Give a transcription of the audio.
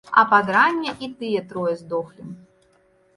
А пад ранне і тыя трое здохлі.